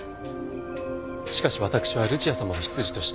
しかし私はルチアさまの執事として。